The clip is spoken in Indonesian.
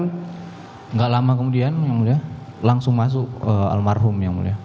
tidak lama kemudian yang mulia langsung masuk almarhum yang mulia